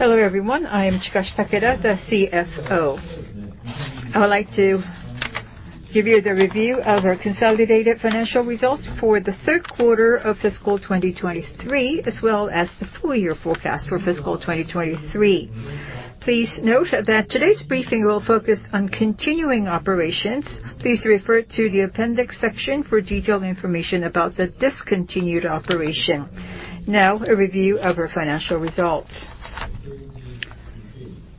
Hello, everyone. I am Chikashi Takeda, the CFO. I would like to give you the review of our consolidated financial results for the 3rd quarter of fiscal 2023, as well as the full year forecast for fiscal 2023. Please note that today's briefing will focus on continuing operations. Please refer to the appendix section for detailed information about the discontinued operation. Now, a review of our financial results.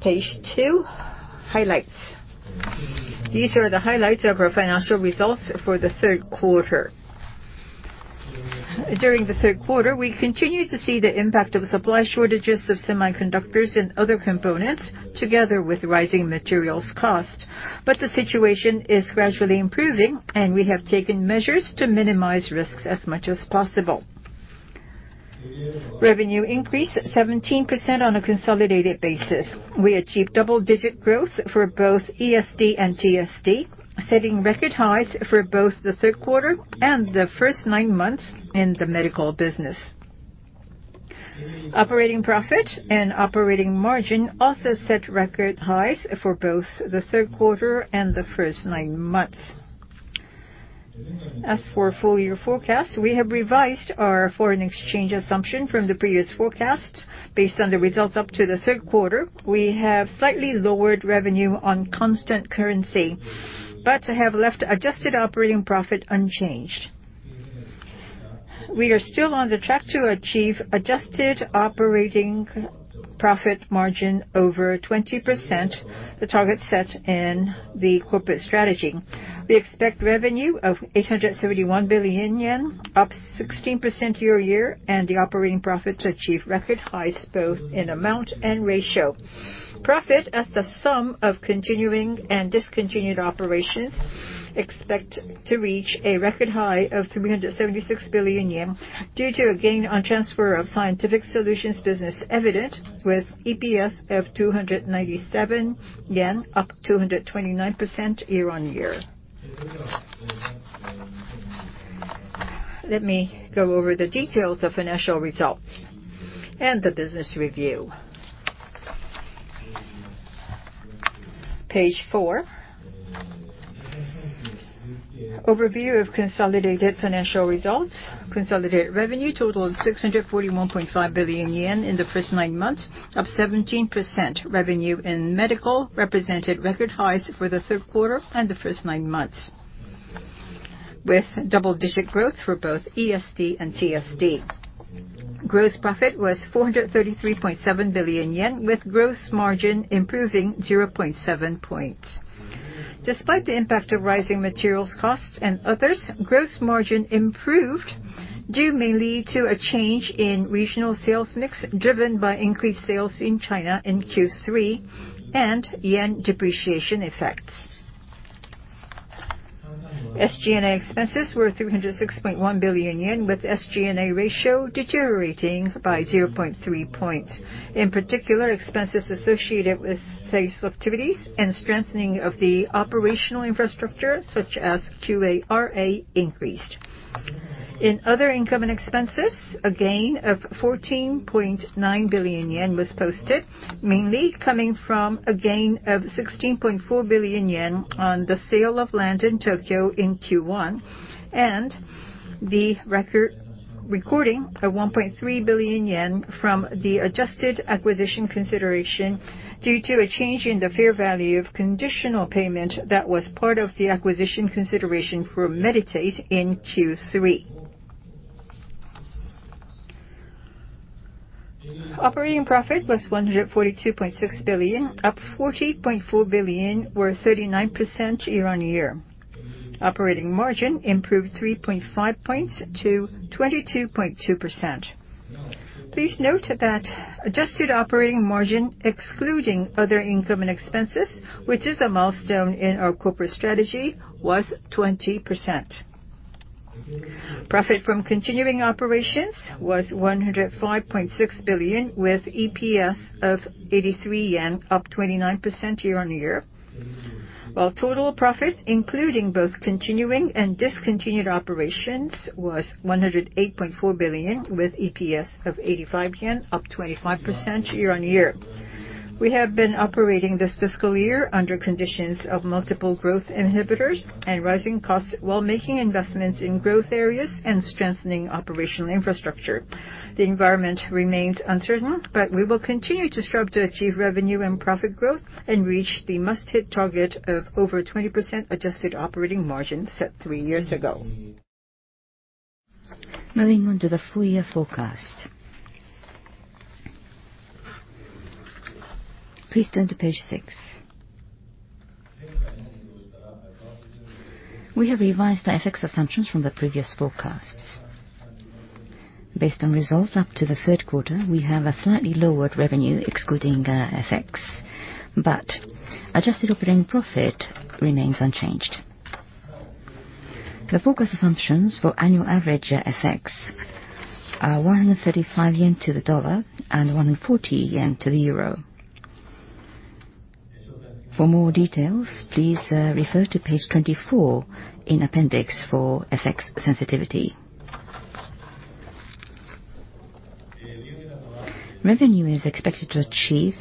Page 2, highlights. These are the highlights of our financial results for the 3rd quarter. During the 3rd quarter, we continued to see the impact of supply shortages of semiconductors and other components together with rising materials cost. The situation is gradually improving, and we have taken measures to minimize risks as much as possible. Revenue increased 17% on a consolidated basis. We achieved double-digit growth for both ESD and TSD, setting record highs for both the third quarter and the first nine months in the medical business. Operating profit and operating margin also set record highs for both the third quarter and the first nine months. For full year forecast, we have revised our foreign exchange assumption from the previous forecast. Based on the results up to the third quarter, we have slightly lowered revenue on constant currency, but have left adjusted operating profit unchanged. We are still on the track to achieve adjusted operating profit margin over 20%, the target set in the corporate strategy. We expect revenue of 871 billion yen, up 16% year-on-year, and the operating profit to achieve record highs both in amount and ratio. Profit as the sum of continuing and discontinued operations expect to reach a record high of 376 billion yen due to a gain on transfer of Scientific Solutions business Evident with EPS of 297 yen, up 229% year-on-year. Let me go over the details of financial results and the business review. Page 4. Overview of consolidated financial results. Consolidated revenue totaled 641.5 billion yen in the first nine months of 17%. Revenue in medical represented record highs for the third quarter and the first nine months, with double-digit growth for both ESD and TSD. Gross profit was 433.7 billion yen, with gross margin improving 0.7 points. Despite the impact of rising materials costs and others, gross margin improved due mainly to a change in regional sales mix driven by increased sales in China in Q3 and yen depreciation effects. SG&A expenses were 306.1 billion yen, with SG&A ratio deteriorating by 0.3 points. In particular, expenses associated with sales activities and strengthening of the operational infrastructure, such as QA, RA increased. In other income and expenses, a gain of 14.9 billion yen was posted, mainly coming from a gain of 16.4 billion yen on the sale of land in Tokyo in Q1. The recording of 1.3 billion yen from the adjusted acquisition consideration due to a change in the fair value of conditional payment that was part of the acquisition consideration for Medi-Tate in Q3. Operating profit was 142.6 billion, up 40.4 billion, or 39% year-on-year. Operating margin improved 3.5 points to 22.2%. Please note that adjusted operating margin, excluding other income and expenses, which is a milestone in our corporate strategy, was 20%. Profit from continuing operations was 105.6 billion, with EPS of 83 yen, up 29% year-on-year. Total profit, including both continuing and discontinued operations, was 108.4 billion, with EPS of 85 yen, up 25% year-on-year. We have been operating this fiscal year under conditions of multiple growth inhibitors and rising costs while making investments in growth areas and strengthening operational infrastructure. The environment remains uncertain, but we will continue to strive to achieve revenue and profit growth and reach the must-hit target of over 20% adjusted operating margin set three years ago. Moving on to the full year forecast. Please turn to page six. We have revised the FX assumptions from the previous forecasts. Based on results up to the third quarter, we have a slightly lowered revenue excluding FX, but adjusted operating profit remains unchanged. The forecast assumptions for annual average FX are 135 yen to the dollar and 140 yen to the euro. For more details, please refer to page 24 in Appendix for FX sensitivity. Revenue is expected to achieve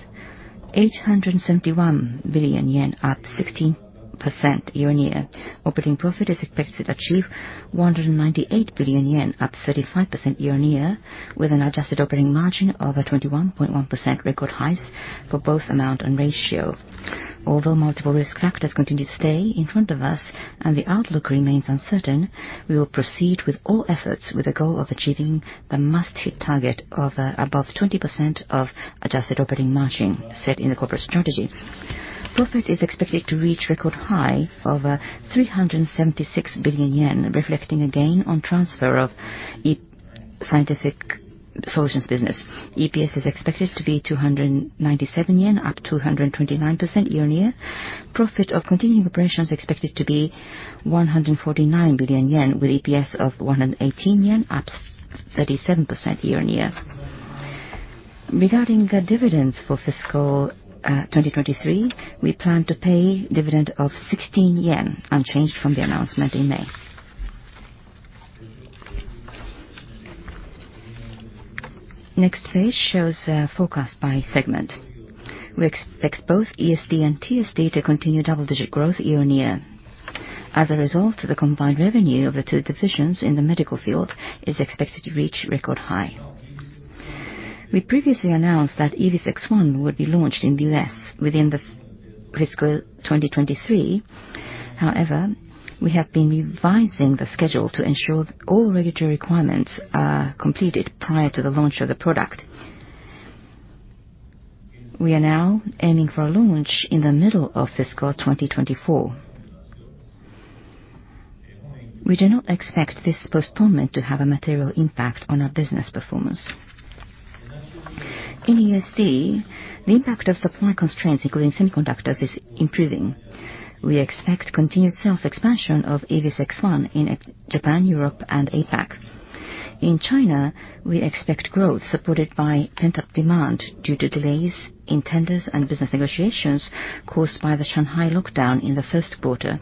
871 billion yen, up 16% year-on-year. Operating profit is expected to achieve 198 billion yen, up 35% year-on-year, with an adjusted operating margin over 21.1%, record highs for both amount and ratio. Although multiple risk factors continue to stay in front of us and the outlook remains uncertain, we will proceed with all efforts with a goal of achieving the must-hit target of above 20% of adjusted operating margin set in the corporate strategy. Profit is expected to reach record high of 376 billion yen, reflecting a gain on transfer of Scientific Solutions business. EPS is expected to be 297 yen, up 229% year-on-year. Profit of continuing operations expected to be 149 billion yen with EPS of 118 yen, up 37% year-on-year. Regarding the dividends for fiscal 2023, we plan to pay dividend of 16 yen, unchanged from the announcement in May. Next page shows forecast by segment. We expect both ESD and TSD to continue double-digit growth year-on-year. The combined revenue of the two divisions in the medical field is expected to reach record high. We previously announced that EVIS X1 would be launched in the US within fiscal 2023. We have been revising the schedule to ensure all regulatory requirements are completed prior to the launch of the product. We are now aiming for a launch in the middle of fiscal 2024. We do not expect this postponement to have a material impact on our business performance. In ESD, the impact of supply constraints, including semiconductors, is improving. We expect continued sales expansion of EVIS X1 in Japan, Europe, and APAC. In China, we expect growth supported by pent-up demand due to delays in tenders and business negotiations caused by the Shanghai lockdown in the first quarter.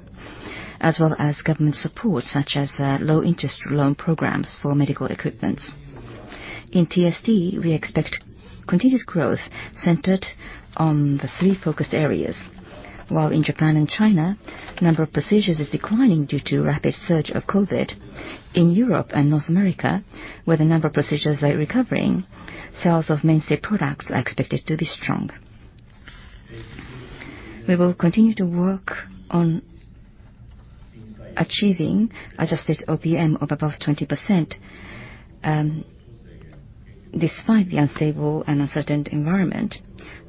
As well as government support, such as, low interest loan programs for medical equipments. In TSD, we expect continued growth centered on the three focused areas. While in Japan and China, number of procedures is declining due to rapid surge of COVID. In Europe and North America, where the number of procedures are recovering, sales of mainstay products are expected to be strong. We will continue to work on achieving adjusted OPM of above 20%, despite the unstable and uncertain environment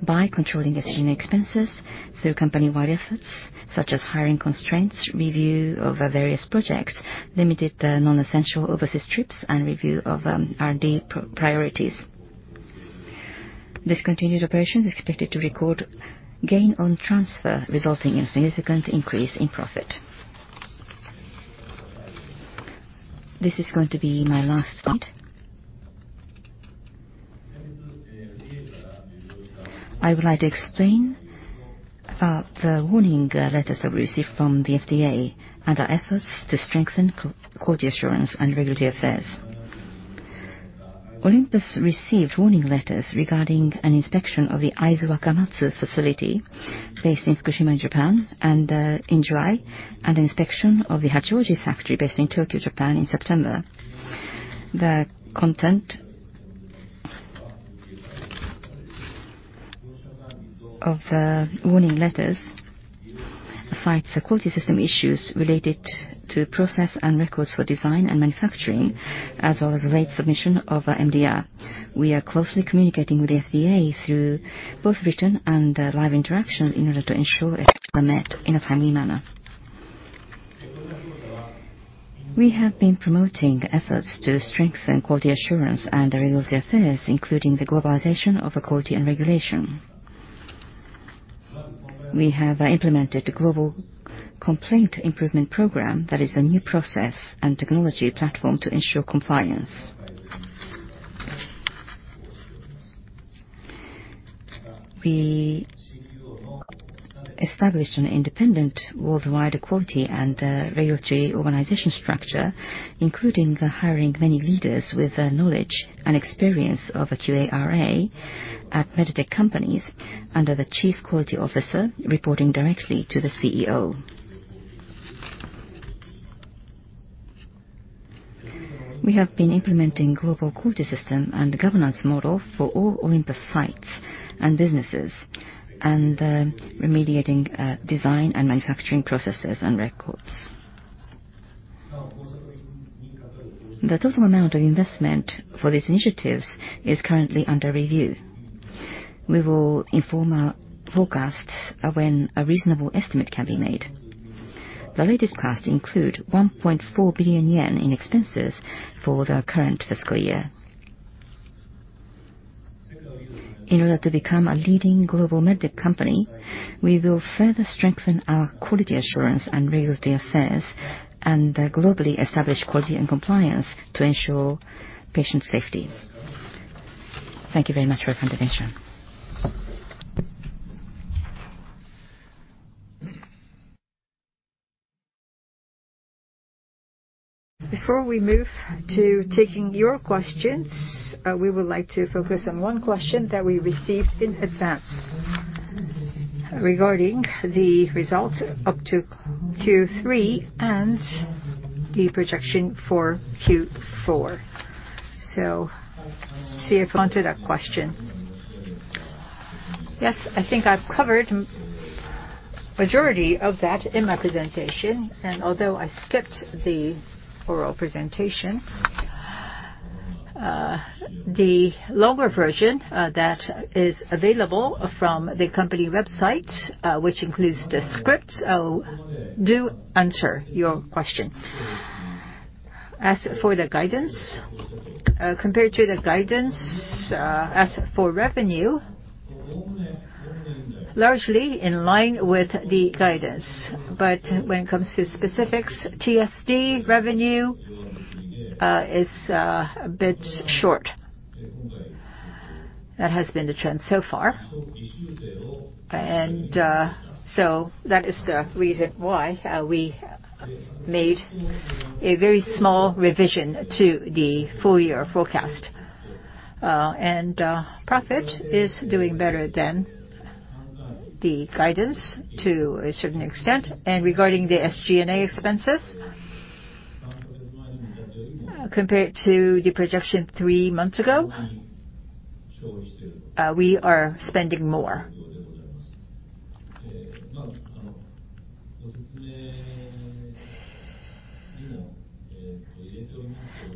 by controlling SG&A expenses through company-wide efforts such as hiring constraints, review of various projects, limited non-essential overseas trips, and review of R&D priorities. Discontinued operations expected to record gain on transfer, resulting in significant increase in profit. This is going to be my last slide. I would like to explain about the warning letters that we received from the FDA and our efforts to strengthen quality assurance and regulatory affairs. Olympus received warning letters regarding an inspection of the Aizu-Wakamatsu facility based in Fukushima, Japan, and in July, an inspection of the Hachioji factory based in Tokyo, Japan, in September. The content of the warning letters cites the quality system issues related to process and records for design and manufacturing, as well as late submission of MDR. We are closely communicating with the FDA through both written and live interactions in order to ensure requirements are met in a timely manner. We have been promoting efforts to strengthen quality assurance and regulatory affairs, including the globalization of quality and regulation. We have implemented a global complaint improvement program that is a new process and technology platform to ensure compliance. We established an independent worldwide quality and regulatory organization structure, including hiring many leaders with knowledge and experience of a QARA at MedTech companies under the Chief Quality Officer reporting directly to the CEO. We have been implementing global quality system and governance model for all Olympus sites and businesses, and remediating design and manufacturing processes and records. The total amount of investment for these initiatives is currently under review. We will inform our forecasts of when a reasonable estimate can be made. The latest costs include 1.4 billion yen in expenses for the current fiscal year. In order to become a leading global MedTech company, we will further strengthen our quality assurance and regulatory affairs and globally establish quality and compliance to ensure patient safety. Thank you very much for your continuation. Before we move to taking your questions, we would like to focus on one question that we received in advance regarding the results up to Q3 and the projection for Q4. Sierra, go on to that question. Yes. I think I've covered majority of that in my presentation, and although I skipped the oral presentation, the longer version, that is available from the company website, which includes the script, do answer your question. As for the guidance, compared to the guidance, as for revenue, largely in line with the guidance, but when it comes to specifics, TSD revenue is a bit short. That has been the trend so far. That is the reason why we made a very small revision to the full year forecast. Profit is doing better than the guidance to a certain extent. Regarding the SG&A expenses, compared to the projection three months ago, we are spending more.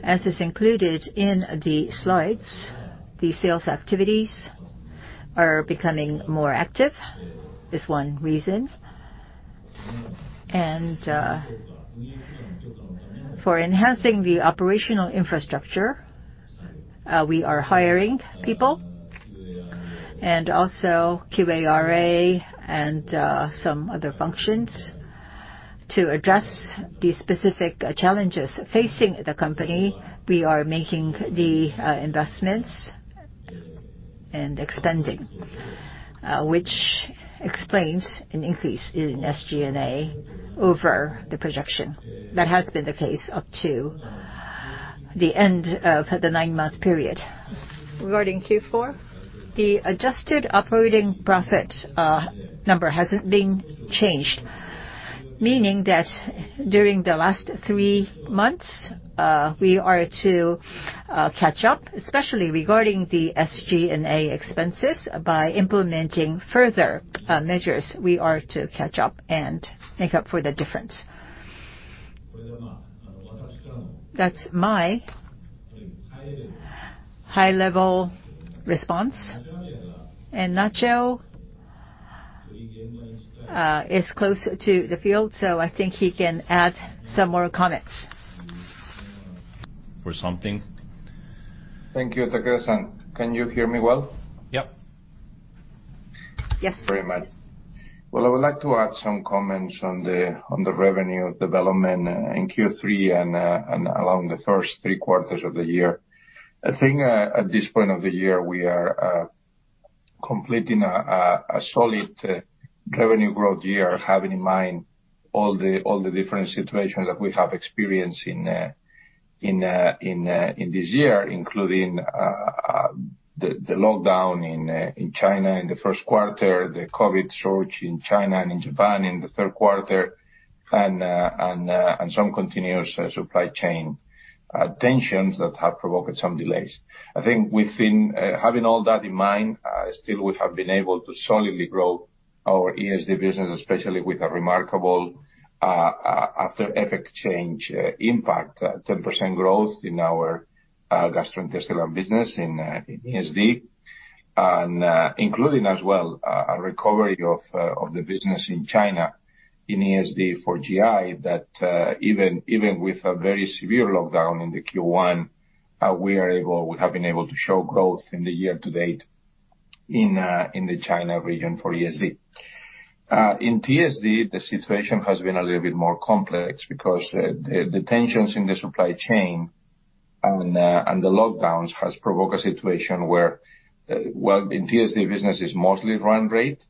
As is included in the slides, the sales activities are becoming more active is one reason. For enhancing the operational infrastructure, we are hiring people and also QARA and some other functions. To address the specific challenges facing the company, we are making the investments and expending, which explains an increase in SG&A over the projection. That has been the case up to the end of the 9-month period. Regarding Q4, the adjusted operating profit number hasn't been changed, meaning that during the last 3 months, we are to catch up, especially regarding the SG&A expenses, by implementing further measures, we are to catch up and make up for the difference. That's my high-level response. Nacho is close to the field, so I think he can add some more comments. For something. Thank you, Takesan. Can you hear me well? Yep. Yes. Very much. I would like to add some comments on the revenue development in Q3 and along the first three quarters of the year. I think, at this point of the year, we are completing a solid revenue growth year, having in mind all the different situations that we have experienced in this year, including the lockdown in China in the first quarter, the COVID surge in China and in Japan in the third quarter, and some continuous supply chain tensions that have provoked some delays. I think within, having all that in mind, still we have been able to solidly grow our ESD business, especially with a remarkable after effect change impact, 10% growth in our, gastrointestinal business in ESD, and, including as well, a recovery of the business in China in ESD for GI that, even with a very severe lockdown in the Q1, we have been able to show growth in the year to date in the China region for ESD. In TSD, the situation has been a little bit more complex because the tensions in the supply chain and the lockdowns has provoked a situation where, well, in TSD business is mostly run rate,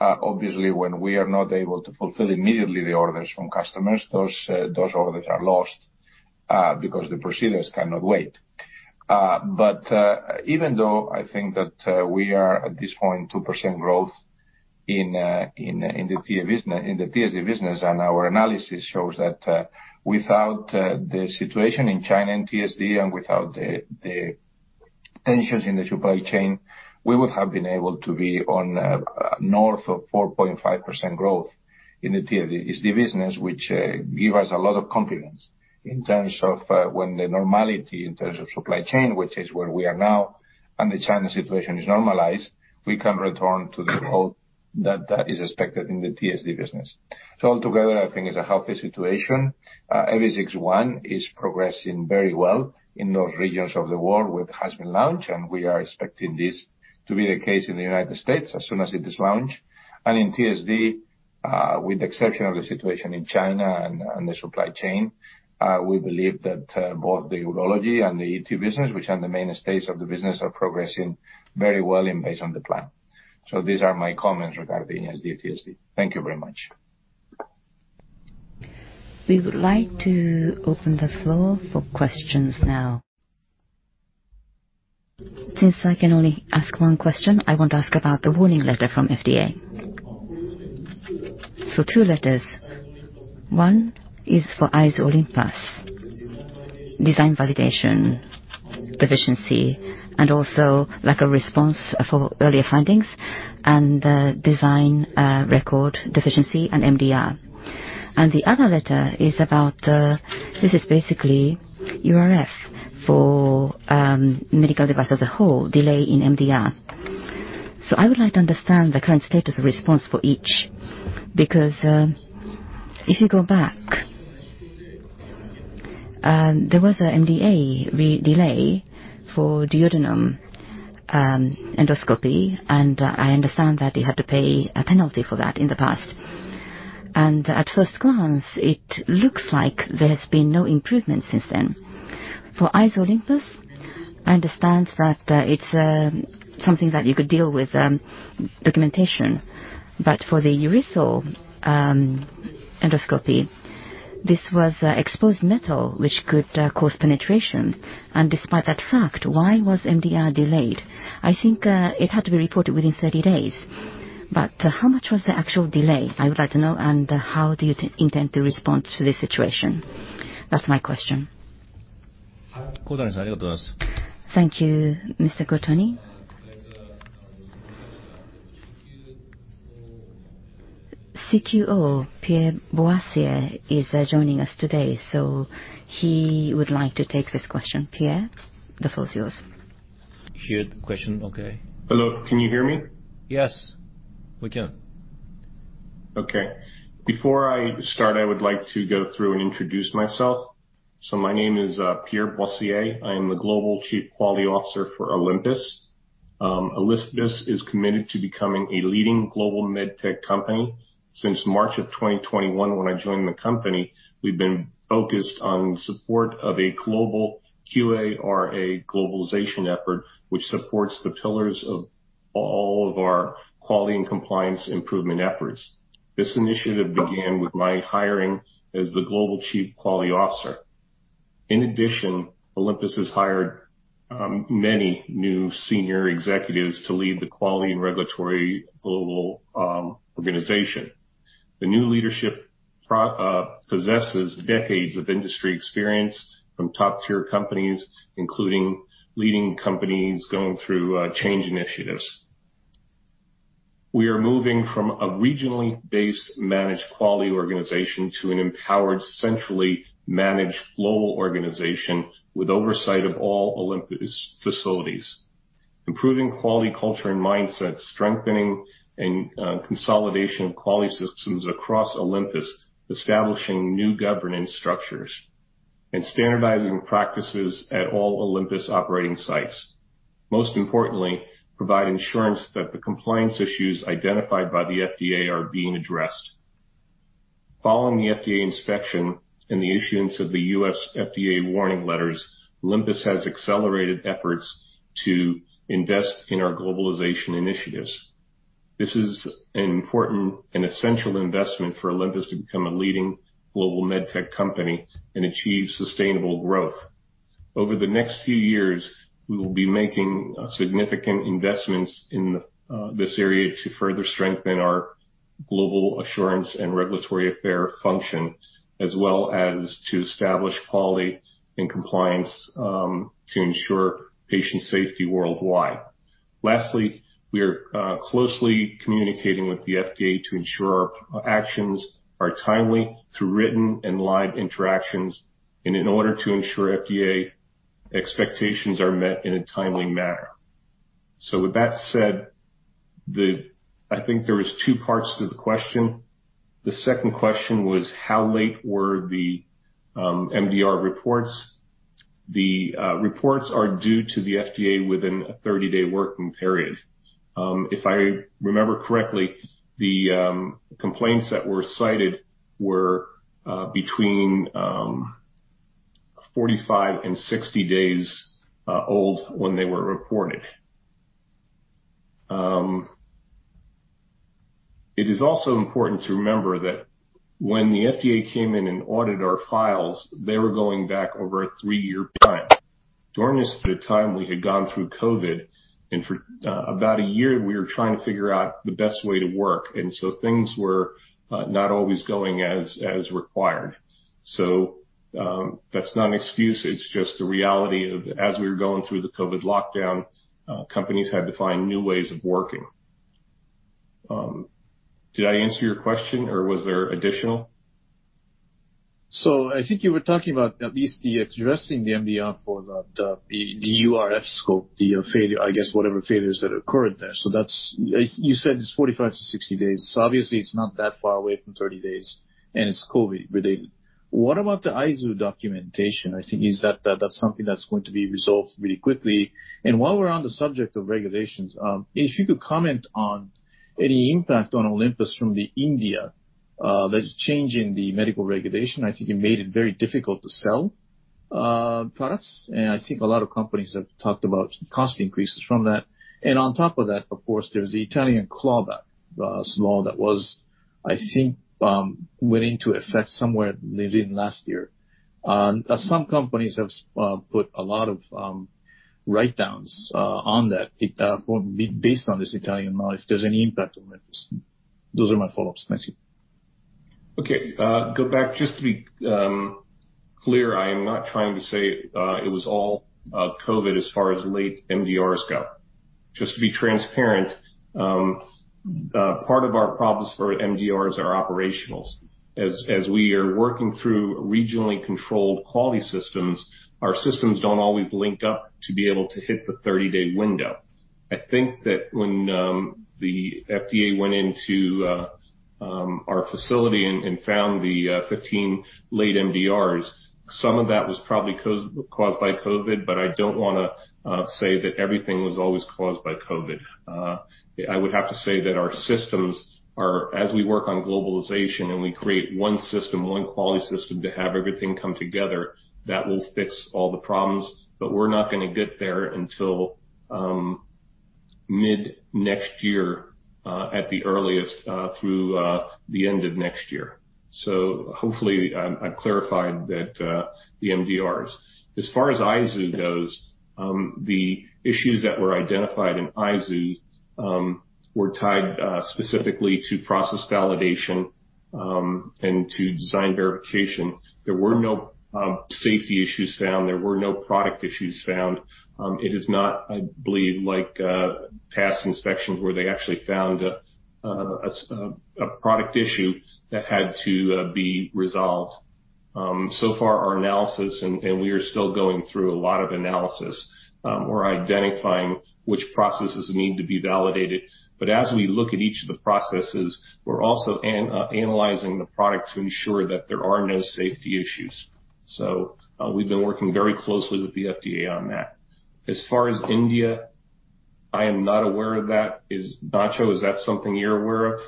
obviously, when we are not able to fulfill immediately the orders from customers, those orders are lost because the procedures cannot wait. Even though I think that we are at this point, 2% growth in the ESD business, in the TSD business, and our analysis shows that without the situation in China and TSD and without the tensions in the supply chain, we would have been able to be on north of 4.5% growth in the TSD business, which give us a lot of confidence in terms of when the normality in terms of supply chain, which is where we are now, and the China situation is normalized, we can return to the growth that is expected in the TSD business. Altogether, I think it's a healthy situation. EVIS X1 is progressing very well in those regions of the world where it has been launched, and we are expecting this to be the case in the United States as soon as it is launched. In TSD, with the exception of the situation in China and the supply chain, we believe that both the urology and the ET business, which are the mainstays of the business, are progressing very well and based on the plan. These are my comments regarding TSD. Thank you very much. We would like to open the floor for questions now. Since I can only ask one question, I want to ask about the warning letter from FDA. Two letters. One is for Aizu Olympus design validation deficiency, and also like a response for earlier findings and the design record deficiency and MDR. The other letter is about this is basically URF for medical device as a whole delay in MDR. I would like to understand the current status of response for each. Because if you go back, there was a MDR re-delay for duodenum endoscopy, and I understand that you had to pay a penalty for that in the past. At first glance, it looks like there's been no improvement since then. For Aizu Olympus, I understand that it's something that you could deal with documentation. For the URF, endoscopy, this was exposed metal which could cause penetration. Despite that fact, why was MDR delayed? I think it had to be reported within 30 days. How much was the actual delay? I would like to know. How do you intend to respond to this situation? That's my question. Thank you, Mr. Takeda. CQO Pierre Boisier is joining us today, so he would like to take this question. Pierre, the floor is yours. Hear the question, okay. Hello, can you hear me? Yes, we can. Okay. Before I start, I would like to go through and introduce myself. My name is Pierre Boisier. I am the Global Chief Quality Officer for Olympus. Olympus is committed to becoming a leading global MedTech company. Since March of 2021, when I joined the company, we've been focused on support of a global QA or a globalization effort which supports the pillars of all of our quality and compliance improvement efforts. This initiative began with my hiring as the Global Chief Quality Officer. In addition, Olympus has hired many new senior executives to lead the quality and regulatory global organization. The new leadership possesses decades of industry experience from top-tier companies, including leading companies going through change initiatives. We are moving from a regionally based managed quality organization to an empowered, centrally managed global organization with oversight of all Olympus facilities. Improving quality culture and mindset, strengthening and consolidation of quality systems across Olympus, establishing new governance structures, and standardizing practices at all Olympus operating sites. Most importantly, provide insurance that the compliance issues identified by the FDA are being addressed. Following the FDA inspection and the issuance of the U.S. FDA warning letters, Olympus has accelerated efforts to invest in our globalization initiatives. This is an important and essential investment for Olympus to become a leading global MedTech company and achieve sustainable growth. Over the next few years, we will be making significant investments in this area to further strengthen our global assurance and regulatory affair function, as well as to establish quality and compliance to ensure patient safety worldwide. Lastly, we are closely communicating with the FDA to ensure our actions are timely through written and live interactions in order to ensure FDA expectations are met in a timely manner. With that said, I think there is two parts to the question. The second question was, how late were the MDR reports? The reports are due to the FDA within a 30-day working period. If I remember correctly, the complaints that were cited were between 45 and 60 days old when they were reported. It is also important to remember that when the FDA came in and audited our files, they were going back over a three-year period. During this period of time, we had gone through COVID, and for about a year, we were trying to figure out the best way to work, and so things were not always going as required. That's not an excuse, it's just the reality of as we were going through the COVID lockdown, companies had to find new ways of working. Did I answer your question, or was there additional? I think you were talking about at least the addressing the MDR for the URF scope, the failure, I guess, whatever failures that occurred there. That's. You said it's 45-60 days. Obviously it's not that far away from 30 days, and it's COVID related. What about the Aizu documentation? I think that's something that's going to be resolved really quickly. While we're on the subject of regulations, if you could comment on any impact on Olympus from the India that is changing the medical regulation. I think it made it very difficult to sell products. I think a lot of companies have talked about cost increases from that. On top of that, of course, there's the Italian clawback law that was, I think, went into effect somewhere maybe in last year. Some companies have put a lot of write-downs on that, based on this Italian law, if there's any impact on Olympus. Those are my follow-ups. Thank you. Go back. Just to be clear, I am not trying to say it was all COVID as far as late MDRs go. Just to be transparent, part of our problems for MDRs are operationals. As we are working through regionally controlled quality systems, our systems don't always link up to be able to hit the 30-day window. I think that when the FDA went into our facility and found the 15 late MDRs, some of that was probably caused by COVID, but I don't wanna say that everything was always caused by COVID. I would have to say that our systems are as we work on globalization, and we create one system, one quality system to have everything come together, that will fix all the problems, but we're not gonna get there until mid-next year at the earliest through the end of next year. Hopefully I've clarified that, the MDRs. As far as Aizu goes, the issues that were identified in Aizu were tied specifically to process validation and to design verification. There were no safety issues found. There were no product issues found. It is not, I believe, like past inspections, where they actually found a product issue that had to be resolved. So far our analysis, and we are still going through a lot of analysis, we're identifying which processes need to be validated. As we look at each of the processes, we're also analyzing the product to ensure that there are no safety issues. We've been working very closely with the FDA on that. As far as India, I am not aware of that. Nacho, is that something you're aware of?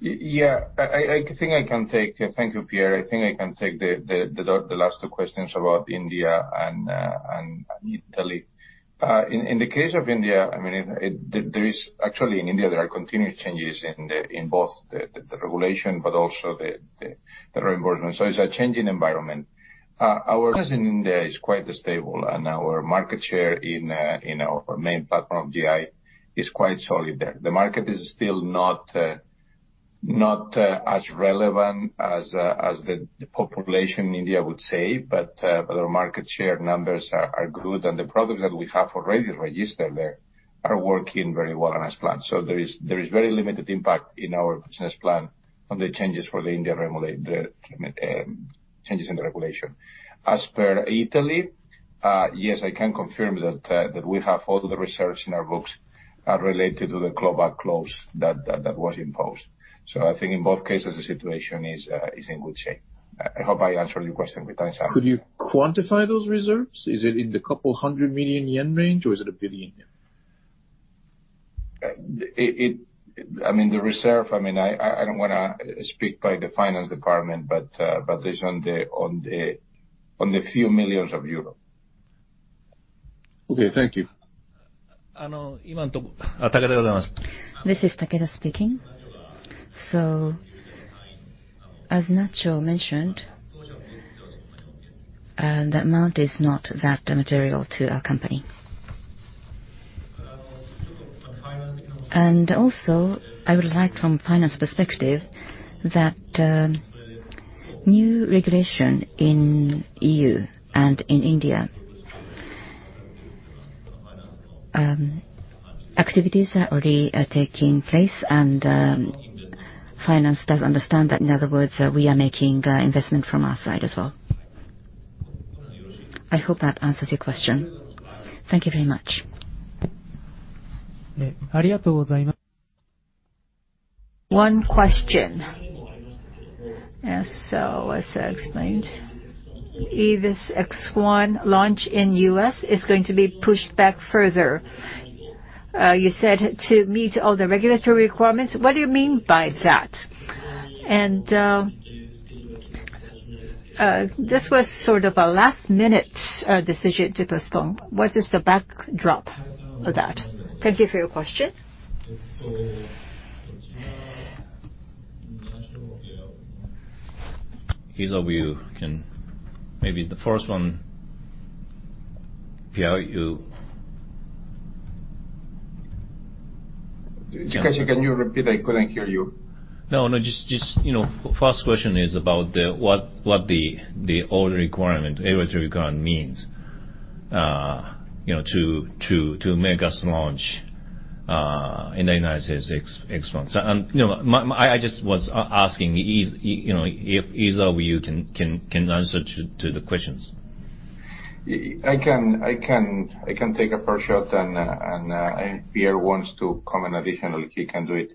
Yeah. I think I can take. Thank you, Pierre. I think I can take the last two questions about India and Italy. In the case of India, I mean, it Actually in India, there are continued changes in both the regulation but also the reimbursement. It's a changing environment. Our presence in India is quite stable, and our market share in our main platform of GI is quite solid there. The market is still not as relevant as the population in India would say. Our market share numbers are good, and the products that we have already registered there are working very well on as planned. There is very limited impact in our business plan on the changes for the India the changes in the regulation. As per Italy, yes, I can confirm that that we have all the reserves in our books related to the clawback clause that was imposed. I think in both cases the situation is in good shape. I hope I answered your question with that summary. Could you quantify those reserves? Is it in the JPY couple 100 million range, or is it 1 billion yen? It, I mean, the reserve, I mean, I don't wanna speak by the finance department, but it's on the few millions of EUR. Okay. Thank you. This is Takeda speaking. As Nacho mentioned, the amount is not that material to our company. I would like from finance perspective that new regulation in EU and in India activities are already taking place, and finance does understand that. In other words, we are making investment from our side as well. I hope that answers your question. Thank you very much. One question. Yes, as I explained, EVIS X1 launch in U.S. is going to be pushed back further. You said to meet all the regulatory requirements. What do you mean by that? This was sort of a last-minute decision to postpone. What is the backdrop of that? Thank you for your question. Either of you can... Maybe the first one, Pierre... Chikashi, can you repeat? I couldn't hear you. No, just, you know, first question is about the what the all requirement, regulatory requirement means, you know, to make us launch in the United States, EVIS X1. You know, my, I just was asking is, you know, if either of you can answer to the questions. I can take a first shot. Pierre wants to comment additionally, he can do it.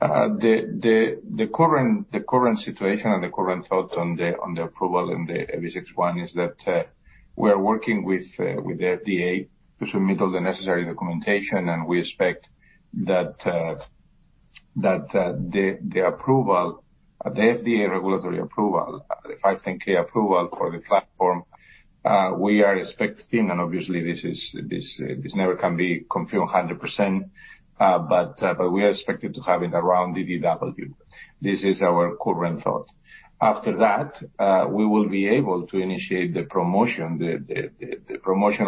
The current situation and the current thought on the approval in the EVIS X1 is that we are working with the FDA to submit all the necessary documentation, and we expect that the approval, the FDA regulatory approval, the 510(k) approval for the platform, we are expecting, and obviously this never can be confirmed 100%, but we are expected to have it around DDW. This is our current thought. After that, we will be able to initiate the promotional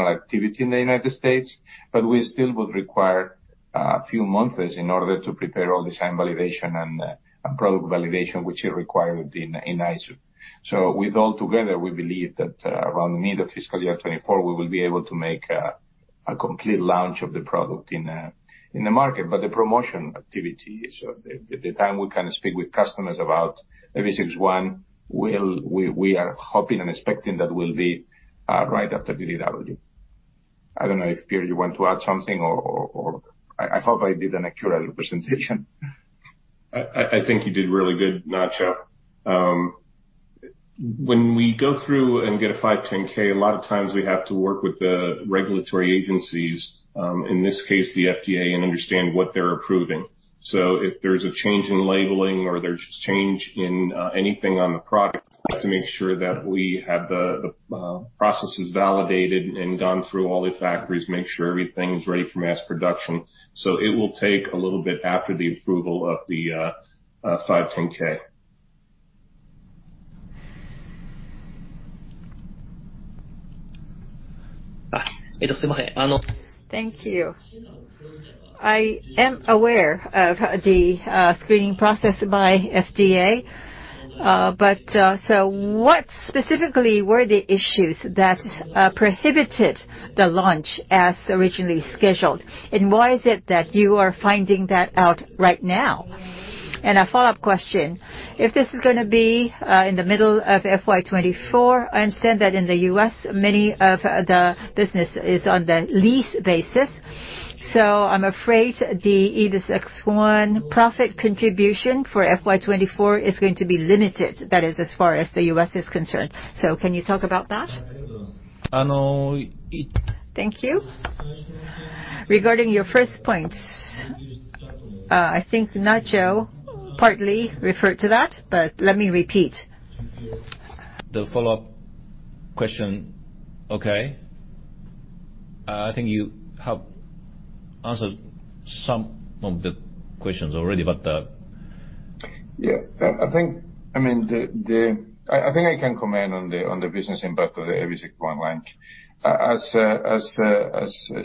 activity in the United States, but we still would require a few months in order to prepare all design validation and product validation, which is required in ISO. With altogether, we believe that around the middle of fiscal year 2024, we will be able to make a complete launch of the product in the market. The promotion activity is the time we can speak with customers about EVIS X1. We are hoping and expecting that will be right after DDW. I don't know if, Pierre, you want to add something or. I hope I did an accurate representation. I think you did really good, Nacho. When we go through and get a 510(k), a lot of times we have to work with the regulatory agencies, in this case, the FDA, and understand what they're approving. If there's a change in labeling or there's change in anything on the product, we have to make sure that we have the processes validated and gone through all the factories, make sure everything is ready for mass production. It will take a little bit after the approval of the 510(k). Thank you. I am aware of the screening process by FDA. What specifically were the issues that prohibited the launch as originally scheduled? Why is it that you are finding that out right now? A follow-up question, if this is going to be in the middle of FY 2024, I understand that in the U.S., many of the business is on the lease basis. I'm afraid the EVIS X1 profit contribution for FY 2024 is going to be limited. That is, as far as the U.S. is concerned. Can you talk about that? Thank you. Regarding your first point, I think Nacho partly referred to that, but let me repeat. The follow-up question. Okay. I think you have answered some of the questions already. I think, I mean, I think I can comment on the business impact of the EVIS X1 launch. As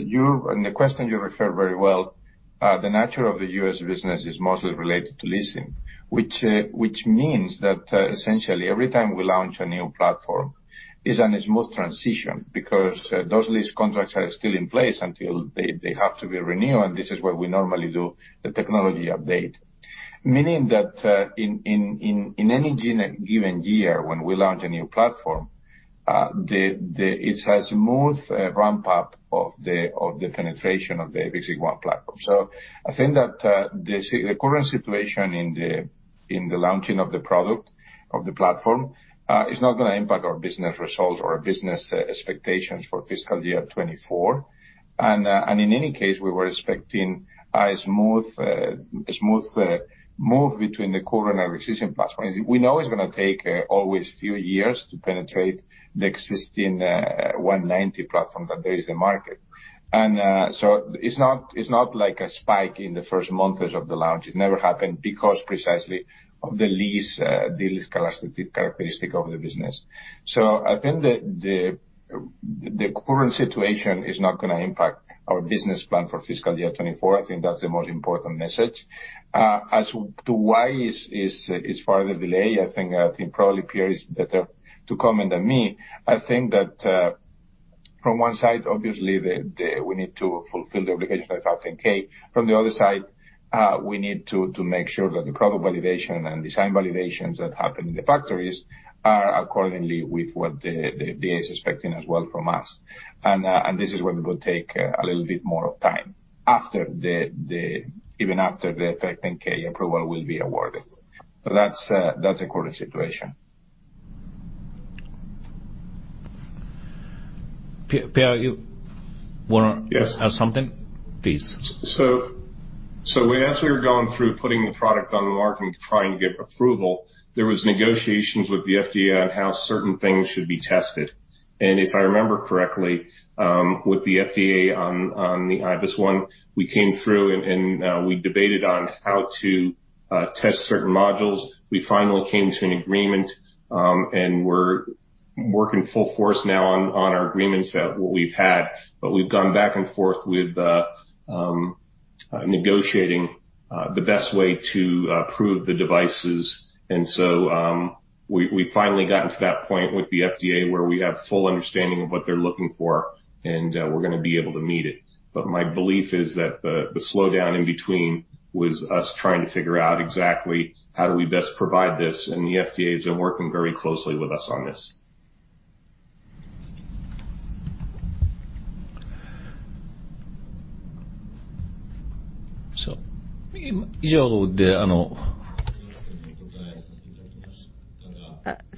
you, the question you referred very well, the nature of the US business is mostly related to leasing, which means that essentially, every time we launch a new platform is a smooth transition because those lease contracts are still in place until they have to be renewed. This is where we normally do the technology update. Meaning that in any given year when we launch a new platform, it's a smooth ramp-up of the penetration of the EVIS X1 platform. I think that the current situation in the launching of the product, of the platform, is not gonna impact our business results or our business expectations for fiscal year 2024. In any case, we were expecting a smooth move between the current and existing platform. We know it's gonna take always a few years to penetrate the existing 190 series platform that there is in market. It's not like a spike in the first months of the launch. It never happened because precisely of the lease characteristic of the business. I think the current situation is not gonna impact our business plan for fiscal year 2024. I think that's the most important message. As to why is further delay, I think probably Pierre is better to comment than me. I think that from one side, obviously we need to fulfill the obligation of 510(k). From the other side, we need to make sure that the product validation and design validations that happen in the factories are accordingly with what the FDA is expecting as well from us. This is where we will take a little bit more of time after even after the 510(k) approval will be awarded. That's the current situation. Pierre, you. Yes. Add something? Please. As we were going through putting the product on the market and trying to get approval, there was negotiations with the FDA on how certain things should be tested. If I remember correctly, with the FDA on the EVIS X1, we came through and we debated on how to test certain modules. We finally came to an agreement, and we're working full force now on our agreements that we've had. We've gone back and forth with negotiating the best way to prove the devices. We've finally gotten to that point with the FDA where we have full understanding of what they're looking for and we're gonna be able to meet it. My belief is that the slowdown in between was us trying to figure out exactly how do we best provide this, and the FDA is working very closely with us on this.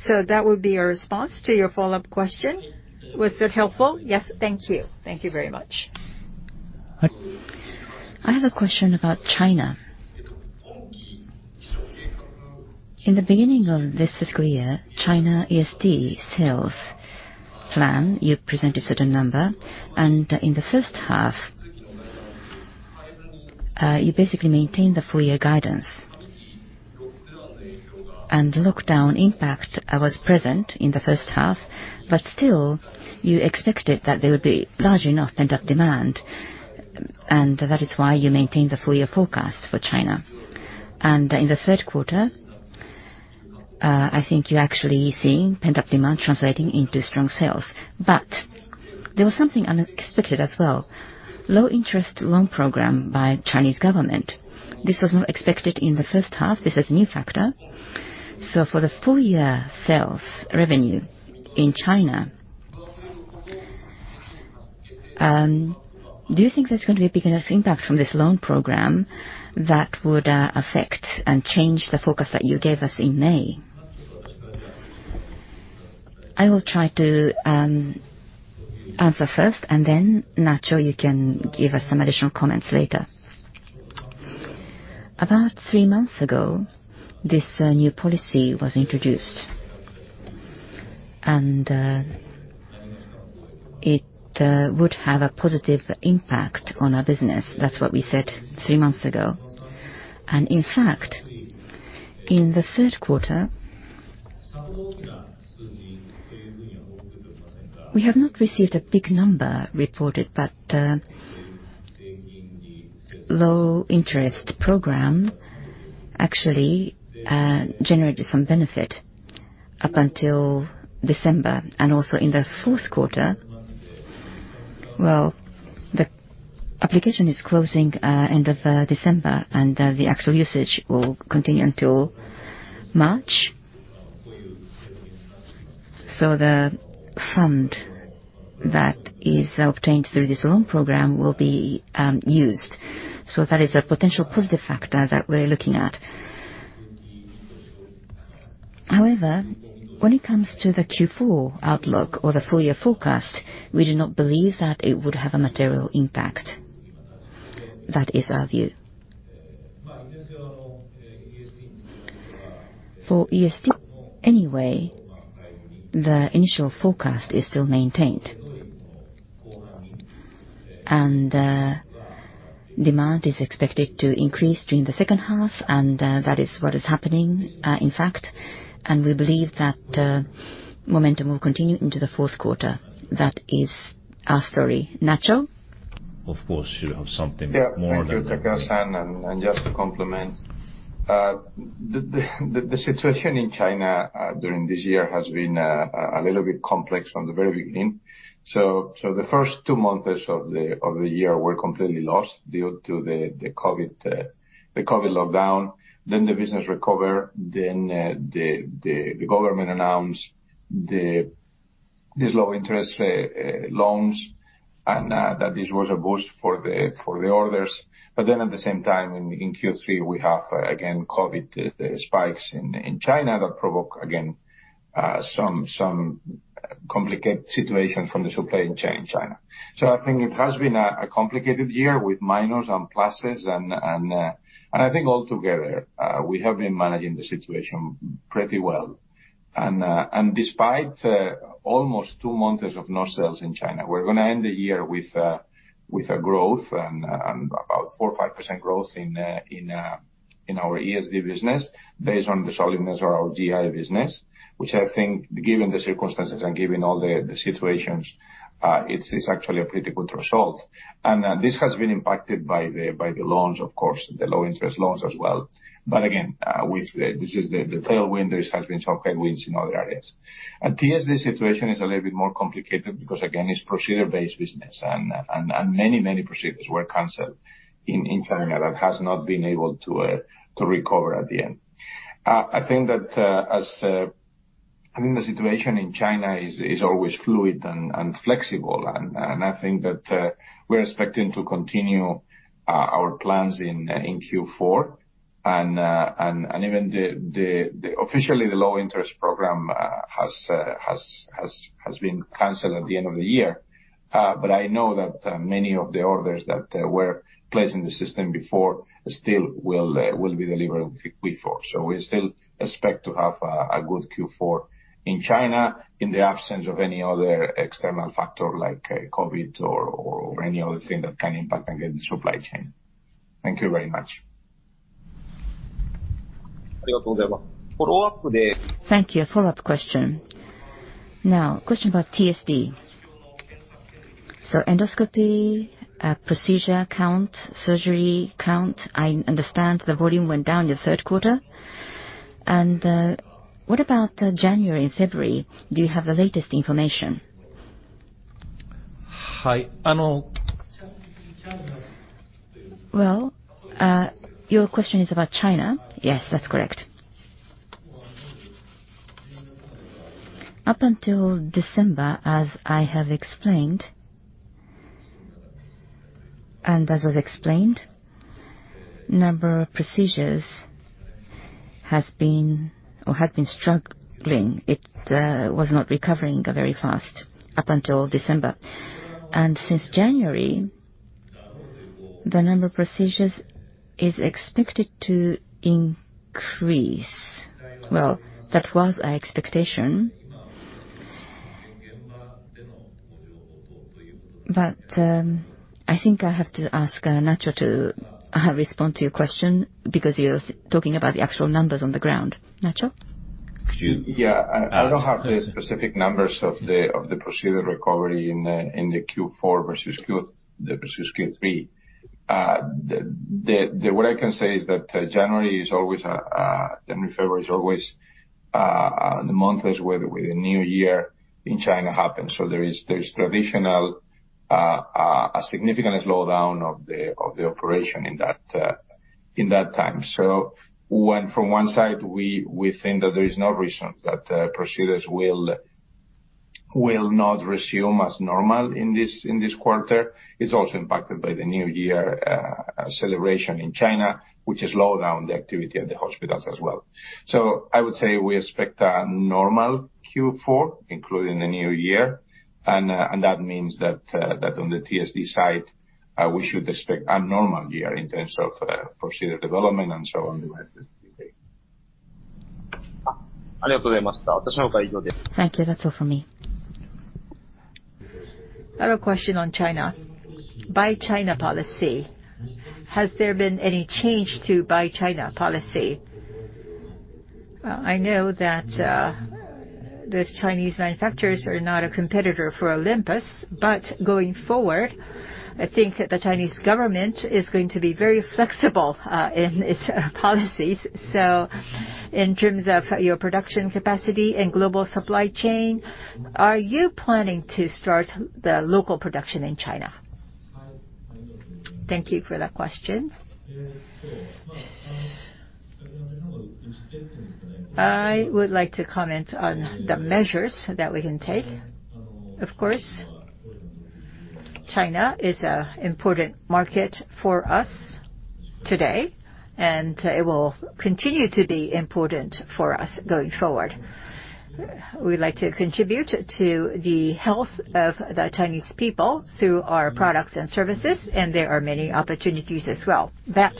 So. That would be our response to your follow-up question. Was that helpful? Yes. Thank you. Thank you very much. I have a question about China. In the beginning of this fiscal year, China ESD sales plan, you presented a certain number. In the first half, you basically maintained the full year guidance. Lockdown impact was present in the first half, but still, you expected that there would be large enough pent-up demand, and that is why you maintained the full year forecast for China. In the third quarter, I think you're actually seeing pent-up demand translating into strong sales. There was something unexpected as well. Low interest loan program by Chinese government. This was not expected in the first half. This is a new factor. For the full year sales revenue in China, do you think there's going to be a big enough impact from this loan program that would affect and change the forecast that you gave us in May? I will try to answer first, and then, Nacho, you can give us some additional comments later. About three months ago, this new policy was introduced. It would have a positive impact on our business. That's what we said three months ago. In fact, in the third quarter, we have not received a big number reported, but low interest program actually generated some benefit up until December and also in the fourth quarter. The application is closing end of December, and the actual usage will continue until March. The fund that is obtained through this loan program will be used. That is a potential positive factor that we're looking at. However, when it comes to the Q4 outlook or the full year forecast, we do not believe that it would have a material impact. That is our view. For ESD, anyway, the initial forecast is still maintained. Demand is expected to increase during the second half, that is what is happening, in fact, and we believe that momentum will continue into the fourth quarter. That is our story. Nacho. Of course, you have something more than- Yeah. Thank you, Takeuchi, and just to complement the situation in China during this year has been a little bit complex from the very beginning. The first 2 months of the year were completely lost due to the COVID lockdown. The business recover. The government announced this low interest loans, and that this was a boost for the orders. At the same time in Q3, we have again COVID spikes in China that provoke again some complicated situation from the supply chain China. I think it has been a complicated year with minus and pluses, and I think altogether we have been managing the situation pretty well. Despite almost two months of no sales in China, we're gonna end the year with a growth and about 4%-5% growth in our ESD business based on the solidness of our GI business, which I think given the circumstances and given all the situations, it's actually a pretty good result. This has been impacted by the loans, of course, the low interest loans as well. This is the tailwind, there has been some headwinds in other areas. At TSD, situation is a little bit more complicated because again, it's procedure-based business and many procedures were canceled in China that has not been able to recover at the end. I think that, as, I think the situation in China is always fluid and flexible and, I think that, we're expecting to continue, our plans in Q4 and even the, officially the low interest program, has been canceled at the end of the year. I know that, many of the orders that, were placed in the system before still will be delivered in Q4. We still expect to have a good Q4 in China in the absence of any other external factor like COVID or any other thing that can impact again the supply chain. Thank you very much. Thank you. A follow-up question. Question about TSD. Endoscopy, procedure count, surgery count, I understand the volume went down in the third quarter. What about January and February? Do you have the latest information? Well, your question is about China? Yes, that's correct. Up until December, as I have explained, and as was explained, number of procedures has been or had been struggling. It was not recovering very fast up until December. Since January, the number of procedures is expected to increase. Well, that was our expectation. I think I have to ask Nacho to respond to your question because you're talking about the actual numbers on the ground. Nacho? Could you- I don't have the specific numbers of the procedure recovery in the Q4 versus Q3. What I can say is that January, February is always the months where the New Year in China happens. There is traditional a significant slowdown of the operation in that time. When from one side, we think that there is no reason that procedures will not resume as normal in this quarter. It's also impacted by the New Year celebration in China, which has slowed down the activity at the hospitals as well. I would say we expect a normal Q4, including the New Year. That means that on the TSD side, we should expect a normal year in terms of procedure development and so on. Thank you. That's all for me. I have a question on China. Buy China policy. Has there been any change to Buy China policy? I know that those Chinese manufacturers are not a competitor for Olympus, but going forward, I think the Chinese government is going to be very flexible in its policies. In terms of your production capacity and global supply chain, are you planning to start the local production in China? Thank you for that question. I would like to comment on the measures that we can take. China is a important market for us today, and it will continue to be important for us going forward. We like to contribute to the health of the Chinese people through our products and services, and there are many opportunities as well. That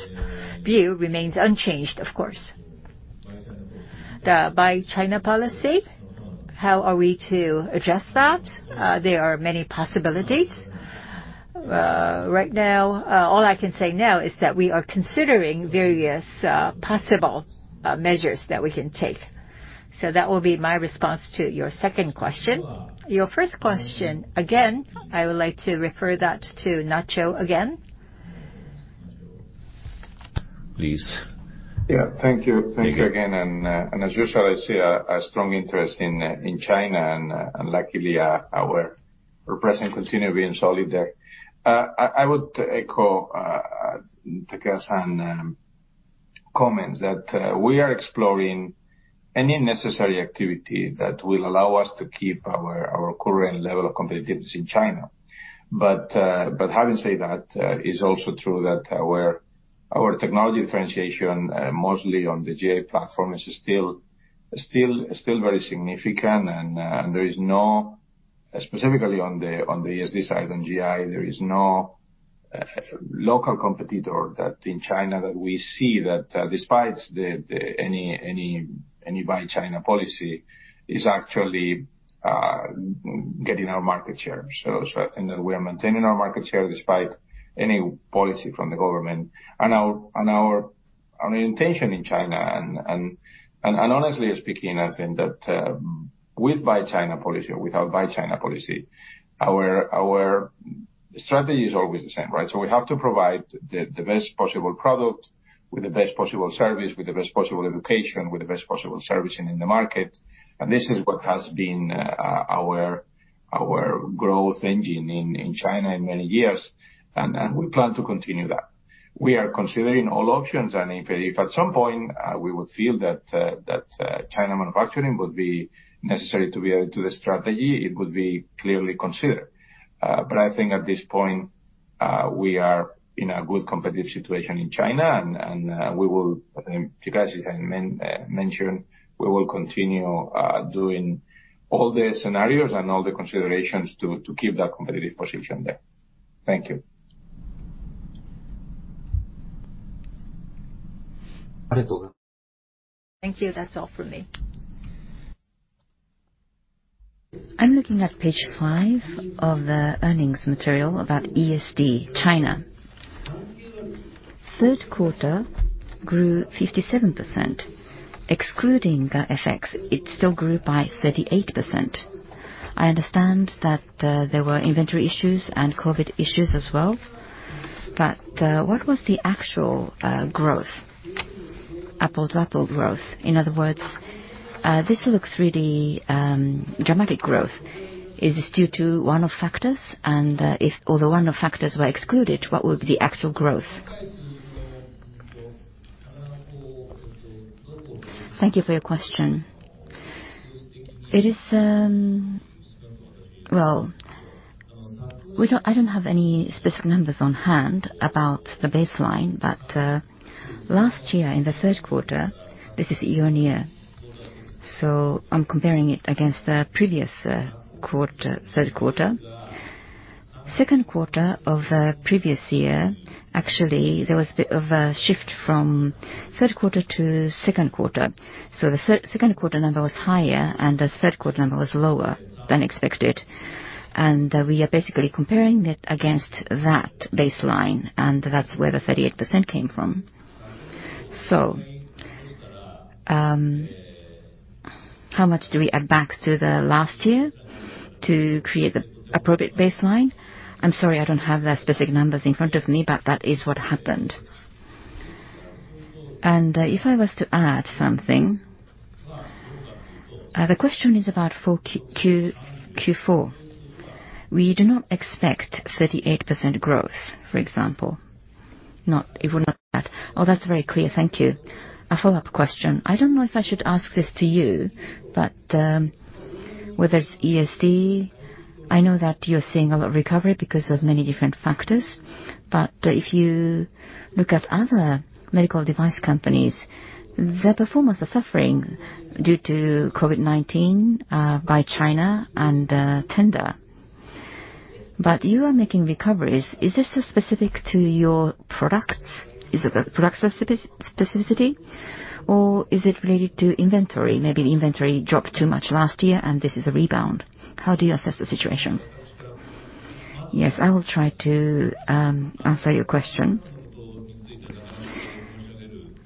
view remains unchanged, of course. The Buy China policy, how are we to address that? There are many possibilities. Right now, all I can say now is that we are considering various possible measures that we can take. That will be my response to your second question. Your first question, again, I would like to refer that to Nacho again. Please. Yeah. Thank you. Thank you. Thank you again. As usual, I see a strong interest in China. Luckily, our represent continue being solid there. I would echo Takesha's comments that we are exploring any necessary activity that will allow us to keep our current level of competitiveness in China. Having said that, it's also true that our technology differentiation, mostly on the GI platform, is still very significant. There is no. Specifically on the SD side, on GI, there is no local competitor that in China that we see that despite any Buy China policy, is actually getting our market share. I think that we are maintaining our market share despite any policy from the government. Our intention in China and honestly speaking, I think that with Buy China policy or without Buy China policy, our strategy is always the same, right? We have to provide the best possible product with the best possible service, with the best possible education, with the best possible servicing in the market. This is what has been our growth engine in China in many years. We plan to continue that. We are considering all options and if at some point we would feel that China manufacturing would be necessary to be able to do the strategy, it would be clearly considered. I think at this point, we are in a good competitive situation in China, and, we will, I think you guys, as I mentioned, we will continue doing all the scenarios and all the considerations to keep that competitive position there. Thank you. Thank you. That's all for me. I'm looking at page 5 of the earnings material about ESD China. Third quarter grew 57%. Excluding the FX, it still grew by 38%. I understand that there were inventory issues and COVID issues as well. What was the actual growth? Apple to apple growth. In other words, this looks really dramatic growth. Is this due to one-off factors? If all the one-off factors were excluded, what would be the actual growth? Thank you for your question. It is. Well, I don't have any specific numbers on hand about the baseline. Last year in the third quarter, this is year-on-year, so I'm comparing it against the previous quarter, third quarter. Second quarter of the previous year, actually, there was a bit of a shift from third quarter to second quarter. The second quarter number was higher, and the third quarter number was lower than expected. We are basically comparing it against that baseline, and that's where the 38% came from. How much do we add back to the last year to create the appropriate baseline? I'm sorry, I don't have the specific numbers in front of me, but that is what happened. If I was to add something, the question is about Q4. We do not expect 38% growth, for example. Not, it will not. Oh, that's very clear. Thank you. A follow-up question. I don't know if I should ask this to you, but whether it's ESD, I know that you're seeing a lot of recovery because of many different factors. If you look at other medical device companies, their performance are suffering due to COVID-19, Buy China and tender. You are making recoveries. Is this specific to your products? Is it the product spec-specificity or is it related to inventory? Maybe the inventory dropped too much last year and this is a rebound. How do you assess the situation? Yes, I will try to answer your question.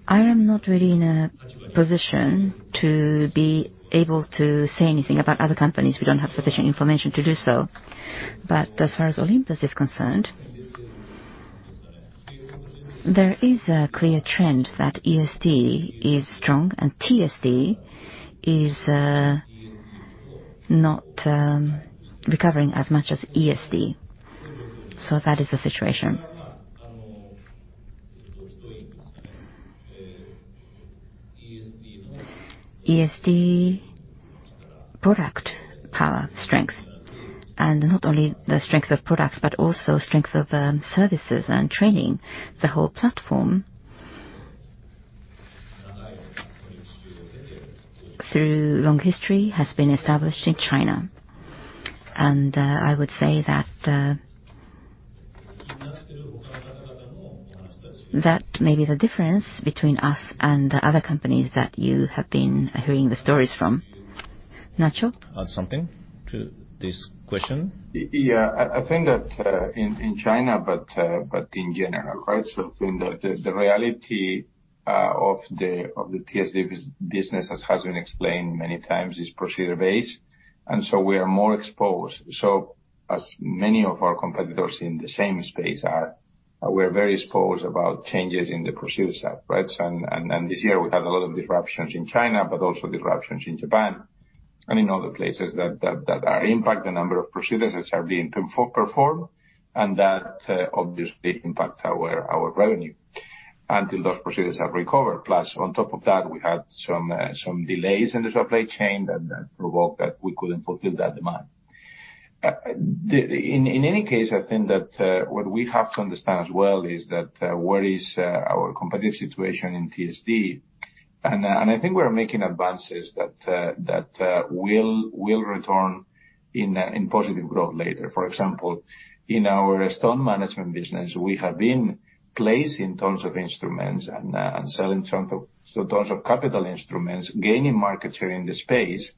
I am not really in a position to be able to say anything about other companies. We don't have sufficient information to do so. As far as Olympus is concerned, there is a clear trend that ESD is strong and TSD is not recovering as much as ESD. That is the situation. ESD product power strength, and not only the strength of products, but also strength of services and training, the whole platform, through long history has been established in China. I would say that that may be the difference between us and the other companies that you have been hearing the stories from. Nacho? Add something to this question. Yeah. I think that in China, but in general, right? I think the reality of the TSD business, as has been explained many times, is procedure-based, and so we are more exposed. As many of our competitors in the same space are, we're very exposed about changes in the procedure side, right? This year we had a lot of disruptions in China, but also disruptions in Japan and in other places that impact the number of procedures that are being performed, and that obviously impacts our revenue until those procedures have recovered. Plus, on top of that, we had some delays in the supply chain that provoked that we couldn't fulfill that demand. The... In any case, I think that what we have to understand as well is that what is our competitive situation in TSD. I think we are making advances that that will return in positive growth later. For example, in our stone management business, we have been placed in tons of instruments and sell in terms of, so tons of capital instruments, gaining market share in the space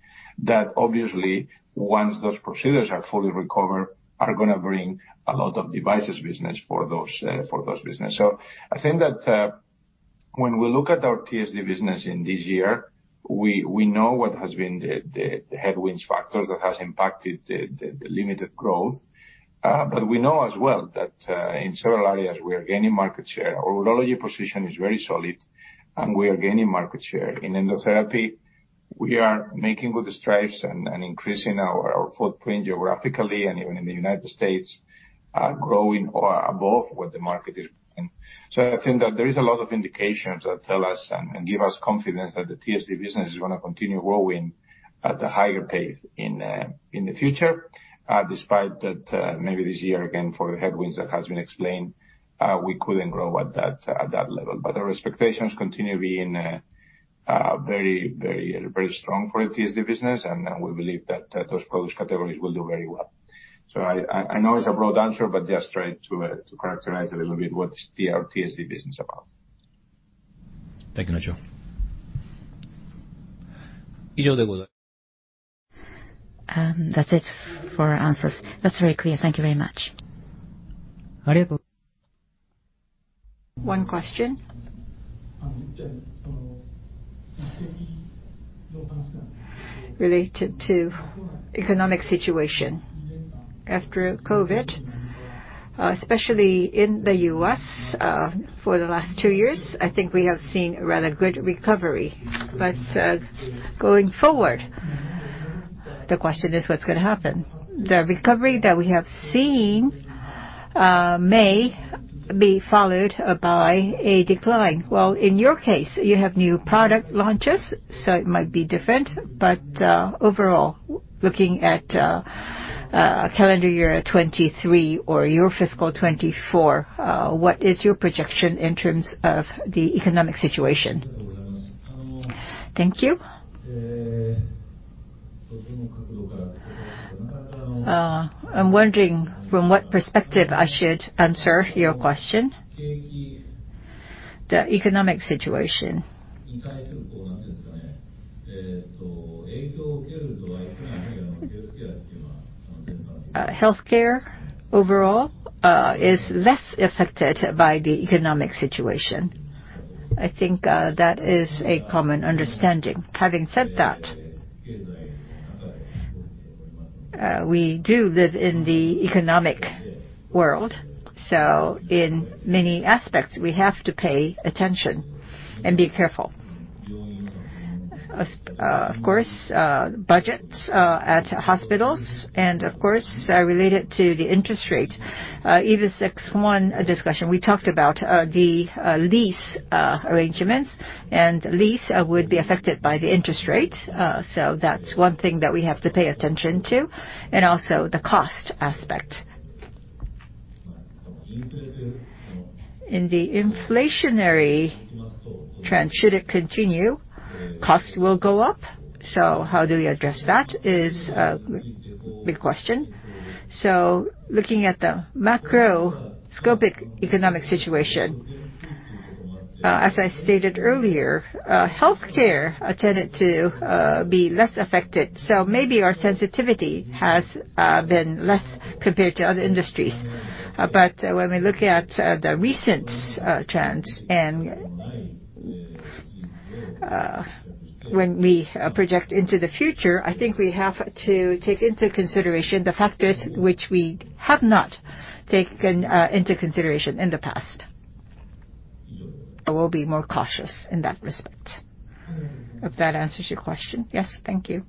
that obviously once those procedures are fully recovered, are gonna bring a lot of devices business for those for those business. I think that when we look at our TSD business in this year, we know what has been the headwinds factors that has impacted the limited growth. We know as well that in several areas we are gaining market share. Our urology position is very solid, and we are gaining market share. In EndoTherapy, we are making good strides and increasing our footprint geographically and even in the United States, growing or above what the market is doing. I think that there is a lot of indications that tell us and give us confidence that the TSD business is gonna continue growing at a higher pace in the future, despite that maybe this year, again, for the headwinds that has been explained, we couldn't grow at that level. Our expectations continue being very strong for the TSD business, and we believe that those product categories will do very well. I know it's a broad answer, but just trying to characterize a little bit what's our TSD business about. Thank you, Nacho. That's it for answers. That's very clear. Thank you very much. One question. Related to economic situation. After COVID, especially in the US, for the last two years, I think we have seen a rather good recovery. Going forward, the question is what's gonna happen. The recovery that we have seen, may be followed by a decline. Well, in your case, you have new product launches, so it might be different. Overall, looking at calendar year 2023 or your fiscal 2024, what is your projection in terms of the economic situation? Thank you. I'm wondering from what perspective I should answer your question. The economic situation. Healthcare overall is less affected by the economic situation. I think that is a common understanding. Having said that, we do live in the economic world, so in many aspects we have to pay attention and be careful. Of course, budgets at hospitals and of course, related to the interest rate. Even 61 discussion we talked about the lease arrangements and lease would be affected by the interest rate. That's one thing that we have to pay attention to, and also the cost aspect. In the inflationary trend should it continue, cost will go up. How do we address that is a big question. Looking at the macroscopic economic situation, as I stated earlier, healthcare tended to be less affected, so maybe our sensitivity has been less compared to other industries. When we look at the recent trends and when we project into the future, I think we have to take into consideration the factors which we have not taken into consideration in the past. I will be more cautious in that respect. If that answers your question. Yes. Thank you.